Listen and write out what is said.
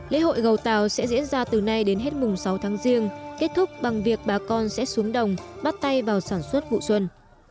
lễ hội gầu tàu sẽ diễn ra từ nay đến hết mùng sáu tháng riêng kết thúc bằng việc bà con sẽ xuống đồng bắt tay vào sản xuất vụ xuân